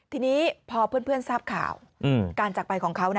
ทีนี้พอเพื่อนทราบข่าวการจักรไปของเขา